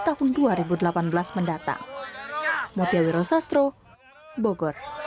tahun dua ribu delapan belas mendatang